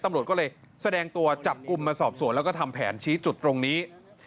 ตำรวจก็เลยแสดงตัวจับกลุ่มมาสอบสวนแล้วก็ทำแผนชี้จุดตรงนี้